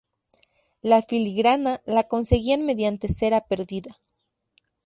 La filigrana la conseguían mediante cera perdida.